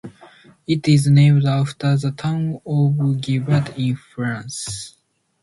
It is named after the town of Givet in France.